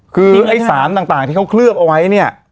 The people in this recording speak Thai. คือไอ้สารต่างที่เขาเคลือบเอาไว้เนี่ย